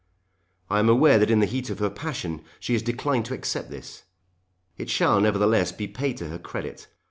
I am aware that in the heat of her passion she has declined to accept this. It shall nevertheless be paid to her credit.